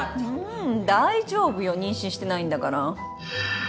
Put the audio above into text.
ん大丈夫よ妊娠してないんだから。